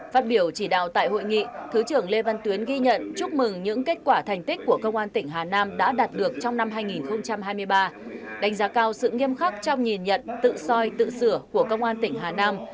phát biểu chỉ đạo tại hội nghị thứ trưởng lê văn tuyến ghi nhận chúc mừng những kết quả thành tích của công an tỉnh hà nam đã đạt được trong năm hai nghìn hai mươi ba đánh giá cao sự nghiêm khắc trong nhìn nhận tự soi tự sửa của công an tỉnh hà nam